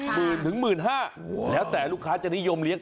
หมื่นถึงหมื่นห้าแล้วแต่ลูกค้าจะนิยมเลี้ย